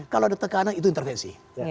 kalau ada tekanan itu intervensi